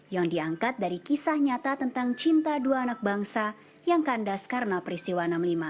yang diangkat dari kisah nyata tentang cinta dua anak bangsa yang kandas karena peristiwa enam puluh lima